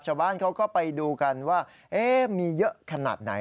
ชาวบ้านเขาก็ไปดูกันว่ามีเยอะขนาดไหน